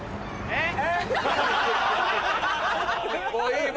えっ？